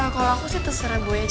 kalau aku sih terserah boy aja tante